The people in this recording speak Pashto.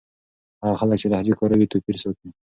هغه خلک چې لهجې کاروي توپير ساتي.